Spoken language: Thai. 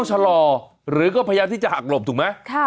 ชะลอหรือก็พยายามที่จะหักหลบถูกไหม